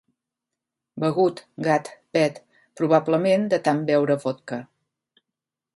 Begut, gat, pet, probablement de tant veure vodka.